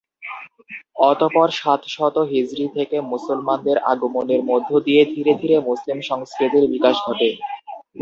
অতপর সাত শত হিজরী থেকে মুসলমানদের আগমনের মধ্য দিয়ে ধীরে ধীরে মুসলিম সংস্কৃতির বিকাশ ঘটে।